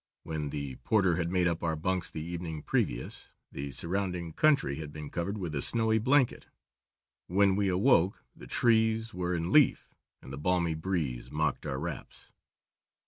When the porter had made up our bunks the evening previous, the surrounding country had been covered with a snowy blanket. When we awoke the trees were in leaf and the balmy breeze mocked our wraps.